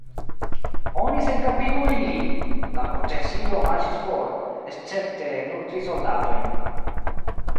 "Oni senkapigu ilin!" La procesio marŝis for, escepte nur tri soldatojn.